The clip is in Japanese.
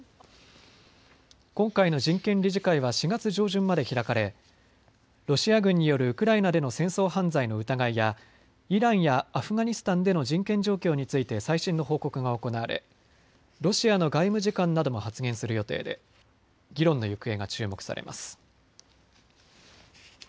今回の人権理事会は４月上旬まで開かれロシア軍によるウクライナでの戦争犯罪の疑いやイランやアフガニスタンでの人権状況について最新の報告が行われロシアの外務次官なども発言する予定で議論の行方が注目されます。